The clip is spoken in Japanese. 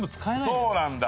そうなんだ。